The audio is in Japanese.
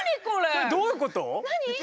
これどういうこと？